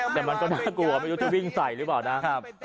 แต่มันก็น่ากลัวไม่รู้จะวิ่งใส่หรือเปล่านะครับ